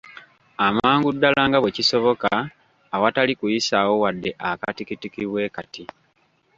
Amangu ddala nga bwe kisoboka awatali kuyisaawo wadde akatikitiki bwe kati.